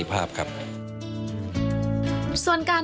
สวนการเดินทางด้วยรถยนต์ส่วนบุคคล